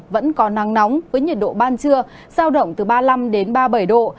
vẫn có nắng nóng với nhiệt độ ban trưa giao động từ ba mươi năm ba mươi bảy độ